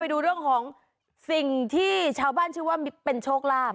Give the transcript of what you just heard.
ดูเรื่องของสิ่งที่ชาวบ้านชื่อว่าเป็นโชคลาภ